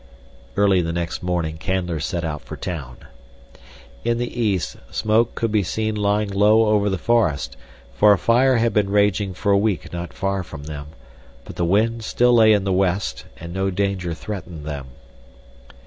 Early the next morning Canler set out for town. In the east smoke could be seen lying low over the forest, for a fire had been raging for a week not far from them, but the wind still lay in the west and no danger threatened them.